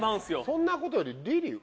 そんなことよりウソリリー！